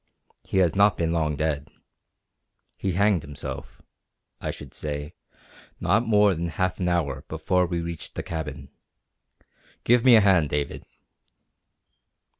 He has not been long dead. He hanged himself, I should say, not more than half an hour before we reached the cabin. Give me a hand, David!"